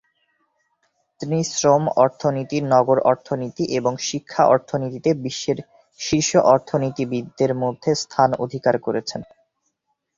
তিনি শ্রম অর্থনীতি, নগর অর্থনীতি এবং শিক্ষা অর্থনীতিতে বিশ্বের শীর্ষ অর্থনীতিবিদদের মধ্যে স্থান অধিকার করেছেন।